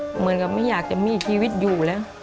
เหมือนกับไม่อยากจะมีชีวิตอยู่แล้ว